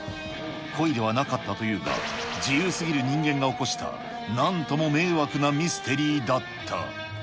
故意ではなかったというが、自由すぎる人間が起こしたなんとも迷惑なミステリーだった。